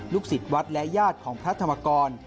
สิทธิ์วัดและญาติของพระธรรมกร